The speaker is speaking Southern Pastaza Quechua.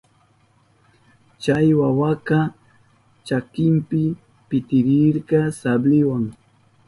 Chay wawaka chakinpi pitirirka sabliwa.